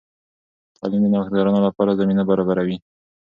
تعلیم د نوښتګرانو لپاره زمینه برابروي.